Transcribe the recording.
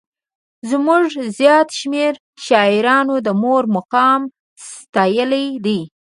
زموږ زیات شمېر شاعرانو د مور مقام ستایلی دی.